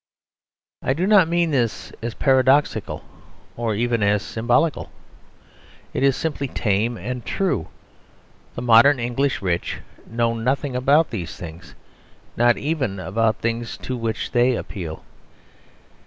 I do not mean this as paradoxical, or even as symbolical; it is simply tame and true. The modern English rich know nothing about things, not even about the things to which they appeal.